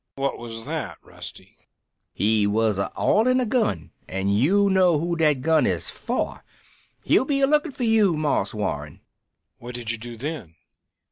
"What was that, Rusty?" "He was a oilin' a gun an' you know who dat gun is for. He'll be a lookin' for you, Marse Warren." "What did you do then?